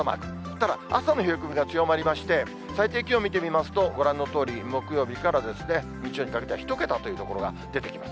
ただ、朝の冷え込みが強まりまして、最低気温見てみますと、ご覧のとおり、木曜日から日曜日にかけては、１桁という所が出てきます。